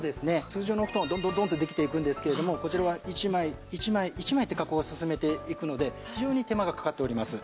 通常のお布団はどんどんどんってできていくんですけれどもこちらは１枚１枚１枚って加工を進めていくので非常に手間がかかっております。